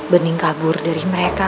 bening kabur dari mereka